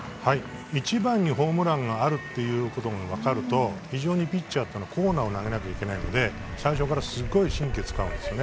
１番にホームランがあるということが分かると非常にピッチャーというのはコーナーを投げなきゃいけないので最初からすごい神経使うんですよね。